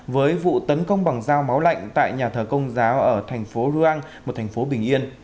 với vụ tấn công bằng dao máu lạnh tại nhà thờ công giáo ở thành phố rang một thành phố bình yên